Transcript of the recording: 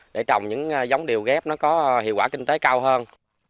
để trồng những giống điều ghép nó có hiệu quả kinh tế cao hơn